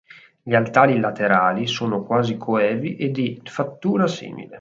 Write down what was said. Gli altari laterali sono quasi coevi e di fattura simile.